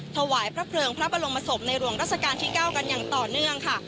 ถวายพระเพลิงพระบรมศพในหลวงราชการที่๙กันอย่างต่อเนื่องค่ะ